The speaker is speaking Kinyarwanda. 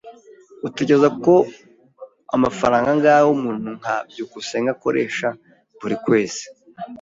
Utekereza ko amafaranga angahe umuntu nka byukusenge akoresha buri kwezi?